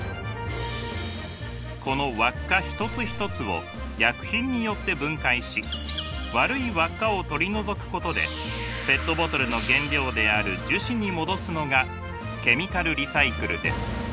この輪っか一つ一つを薬品によって分解し悪い輪っかを取り除くことでペットボトルの原料である樹脂に戻すのがケミカルリサイクルです。